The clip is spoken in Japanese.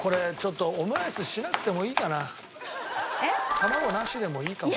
卵なしでもいいかも。